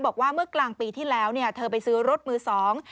บอกว่าเมื่อกลางปีที่แล้วเนี่ยเธอไปซื้อรถมือสอง